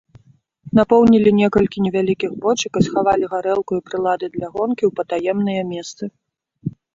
Напоўнілі некалькі невялікіх бочак і схавалі гарэлку і прылады для гонкі ў патаемныя месцы.